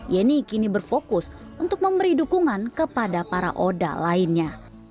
yeni kini berfokus untuk memberi dukungan kepada para oda lainnya